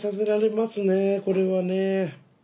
これはね。